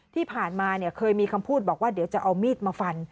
ที่ผ่านมาเคยมีคำพูดบอกว่าเดี๋ยวจะเอามีดมาฟัน